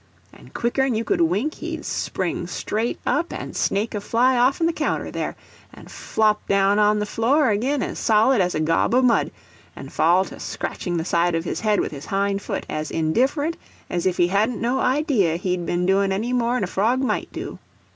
and quicker'n you could wink he'd spring straight up and snake a fly off'n the counter there, and flop down on the floor ag'in as solid as a gob of mud, and fall to scratching the side of his head with his hind foot as indifferent as if he hadn't no idea he'd been doin' any more'n any frog might do.